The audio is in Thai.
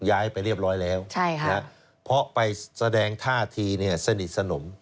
ย้ายไปเรียบร้อยแล้วเพราะไปแสดงท่าทีเนี่ยสนิทสนม